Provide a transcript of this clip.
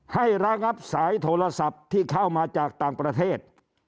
ระงับสายโทรศัพท์ที่เข้ามาจากต่างประเทศ